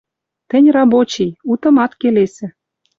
«Тӹнь рабочий! Утым ат келесӹ...